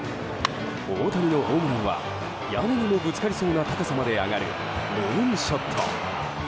大谷のホームランは屋根にもぶつかりそうな高さまで上がるムーンショット。